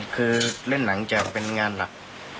คือเล่นหลังจากเป็นงานหลัก